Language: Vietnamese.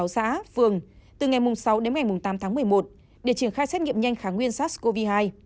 sáu xã phường từ ngày sáu đến ngày tám tháng một mươi một để triển khai xét nghiệm nhanh kháng nguyên sars cov hai